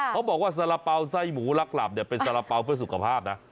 เขาบอกว่าสาระเป๋าไส้หมูลักหลับเนี่ยเป็นสาระเป๋าเพื่อสุขภาพนะ